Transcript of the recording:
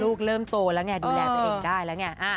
เริ่มโตแล้วไงดูแลตัวเองได้แล้วไง